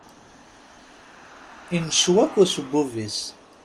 Incew akk ucebbub-is.